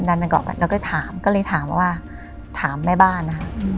ดันดันกันก่อนแบบแล้วก็ถามก็เลยถามว่าถามแม่บ้านอ่ะอืม